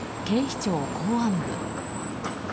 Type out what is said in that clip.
警視庁公安部。